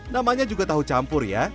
namanya juga tahu campur ya